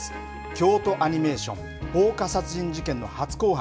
京都アニメーション放火殺人事件の初公判。